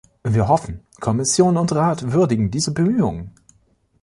Wir hoffen, Kommission und Rat würdigen diese Bemühungen.